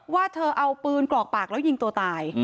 ว่าเธอเอาปืนกรอกปากแล้วยิงตัวตาย